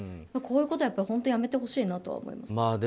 こういうことは本当やめてほしいなと思います。